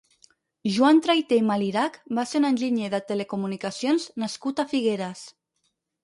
Joan Trayter i Malirach va ser un enginyer de telecomunicacions nascut a Figueres.